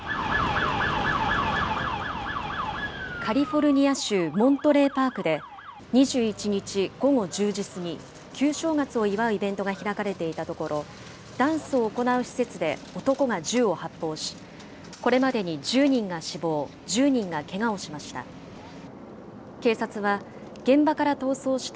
カリフォルニア州モントレーパークで、２１日午後１０時過ぎ、旧正月を祝うイベントが開かれていたところ、ダンスを行う施設で男が銃を発砲し、これまでに１０人が死亡、１０人がけがをしました。